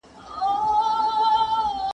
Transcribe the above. ¬ بابا گيلې کوي، ادې پېرې کوي.